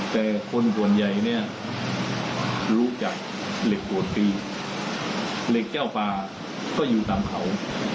แต่คนส่วนใหญ่เนี่ยรู้จักเหล็กปวดฟรีเหล็กเจ้าป่าก็อยู่ตามเขา